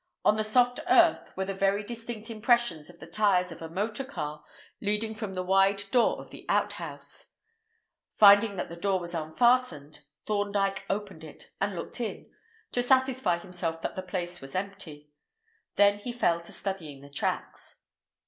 On the soft earth were the very distinct impressions of the tyres of a motor car leading from the wide door of the outhouse. Finding that the door was unfastened, Thorndyke opened it, and looked in, to satisfy himself that the place was empty. Then he fell to studying the tracks.